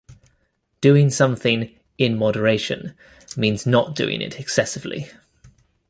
Doing something "in moderation" means not doing it excessively.